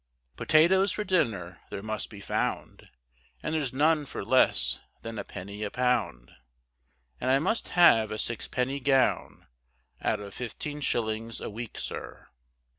Potatoes for dinner there must be found, And there's none for less than a penny a pound, And I must have a sixpenny gown, Out of fifteen shillings a week, sir.